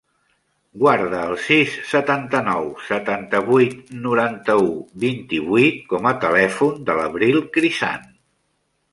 Guarda el sis, setanta-nou, setanta-vuit, noranta-u, vint-i-vuit com a telèfon de l'Avril Crisan.